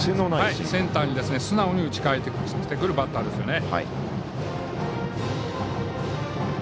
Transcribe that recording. センターに素直に打ち返してくるバッターですよね。